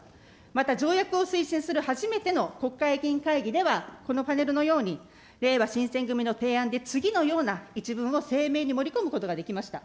また条約を推進する初めての国会議員会議では、このパネルのように、れいわ新選組の提案で、次のような一文を声明に盛り込むことができました。